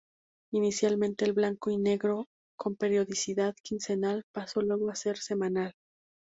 Inicialmente en blanco y negro con periodicidad quincenal, pasó luego a ser semanal.